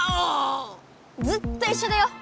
ずっといっしょだよ。